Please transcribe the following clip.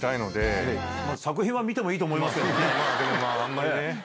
でもあんまりね。